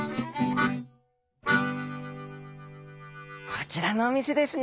こちらのお店ですね？